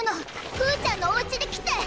ふーちゃんのおうちにきて！